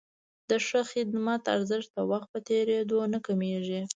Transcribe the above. د ښه خدمت ارزښت د وخت په تېرېدو نه کمېږي.